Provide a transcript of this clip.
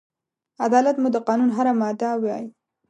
عدالت مو د قانون هره ماده وای